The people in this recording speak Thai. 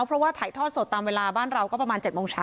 เพราะว่าถ่ายทอดสดตามเวลาบ้านเราก็ประมาณ๗โมงเช้า